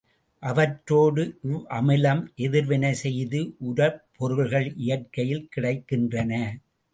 அவற்றோடு இவ்வமிலம் எதிர்வினை செய்து உரப்பொருள்கள் இயற்கையில் கிடைக்கின்றன.